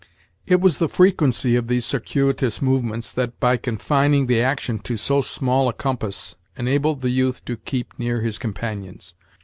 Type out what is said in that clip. It was the frequency of these circuitous movements that, by confining the action to so small a compass, enabled the youth to keep near his companions.